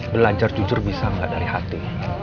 belanjar jujur bisa enggak dari hati